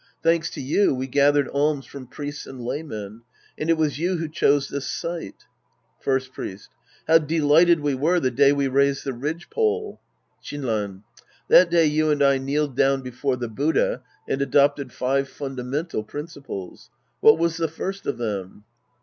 Thanks to you, we gathered alms from priests and lajmien. And it was you who chose this site. First Priest. How delighted we were the day we raised the ridgepole ! Shinran. That day you and I kneeled down before the Buddha and adopted five fundamental principles. What was the first of them